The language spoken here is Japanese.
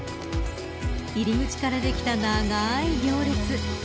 入り口からできた長い行列。